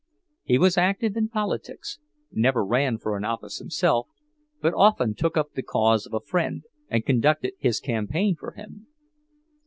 He was active in politics; never ran for an office himself, but often took up the cause of a friend and conducted his campaign for him.